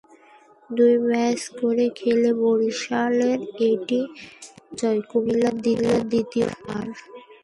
দুই ম্যাচ করে খেলে বরিশালের এটি প্রথম জয়, কুমিল্লার দ্বিতীয় হার।